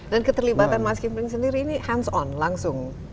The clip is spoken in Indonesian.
dan keterlibatan mas skinpling sendiri ini hands on langsung